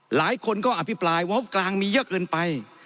หลายคนก็อภิปรายงบกลางมีเยอะเกินไป